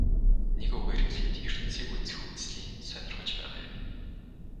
Нэг үгээр хэлэхэд ертөнцийг үзэх үзлий нь сонирхож байгаа юм.